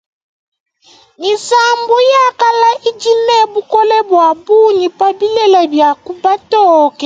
Misambu ya kala idi ne bukola bua bungi pa bilela bia ku batoka.